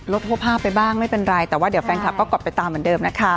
โพสต์ภาพไปบ้างไม่เป็นไรแต่ว่าเดี๋ยวแฟนคลับก็กดไปตามเหมือนเดิมนะคะ